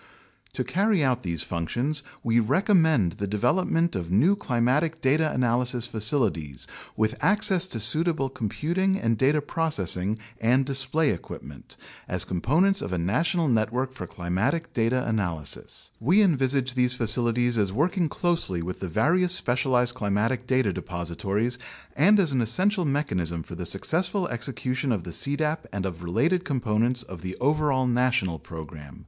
To carry out these functions we recommend the development of new climatic data analysis facilities with access to suitable computing and data processing and display equipment, as components of a national network for climatic data analysis. We envisage these facilities as work ing closely with the various specialized climatic data depositories and 10 UNDERSTANDING CLIMATIC CHANGE as an essential mechanism for the successful execution of the cdap and of related components of the overall national program.